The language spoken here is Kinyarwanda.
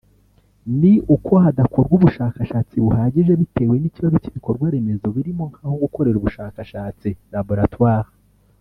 ni uko hadakorwa ubushakashatsi buhagije bitewe n’ikibazo cy’ibikorwa remezo birimo nk’aho gukorera ubushakashatsi (Laboratoire)